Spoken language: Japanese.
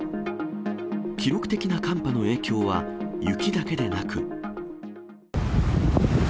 記録的な寒波の影響は雪だけでなく。